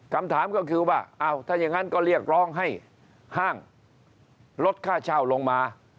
คำถามก็คือว่าอ้าวถ้าอย่างนั้นก็เรียกร้องให้ห้างลดค่าเช่าลงมา